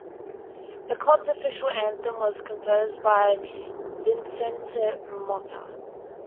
The club's official anthem was composed by Vicente Motta.